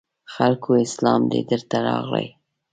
خلکو اسلام دی درته راغلی